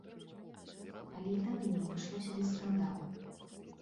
Але і тады не абышлося без скандалу.